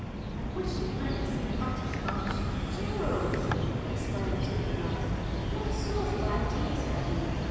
"I wish she'd bring us some butter scotch." "Gerald!" exclaimed Tib and I, "what sort of ideas have you?